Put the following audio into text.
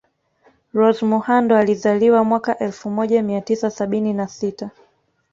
Rose Muhando alizaliwa mwaka elfu moja mia tisa sabini na sita